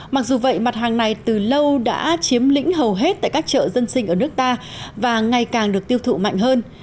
mặc dù vậy mặt hàng này từ lâu đã chiếm lĩnh hầu hết tại các chợ dân sinh ở nước ta và ngày càng được tiêu thụ mạnh hơn